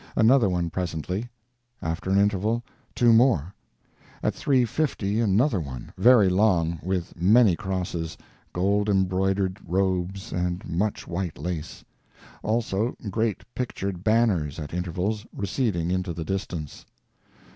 Another one, presently; after an interval, two more; at three fifty another one—very long, with many crosses, gold embroidered robes, and much white lace; also great pictured banners, at intervals, receding into the distance.